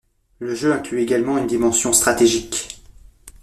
Le jeu inclut également une dimension stratégique.